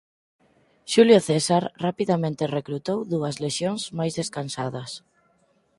Xulio César rapidamente recrutou dúas lexións máis descansadas.